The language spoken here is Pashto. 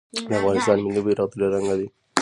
د افغانستان ملي بیرغ درې رنګه دی